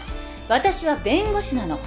私は弁護士なの。